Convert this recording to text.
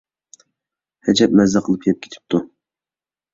ھەجەپ مەززە قىلىپ يەپ كېتىپتۇ.